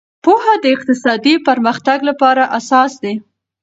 پوهه د اقتصادي پرمختګ لپاره اساس دی.